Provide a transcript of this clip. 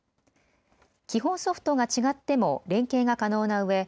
基本ソフト違っても連携が可能なうえ